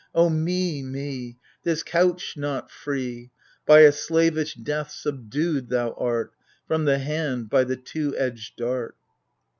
O me — me ! This couch, not free ! By a slavish death subdued thou art, From the hand, by the two edged dart.